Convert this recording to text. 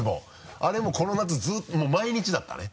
あれもこの夏ずっともう毎日だったね。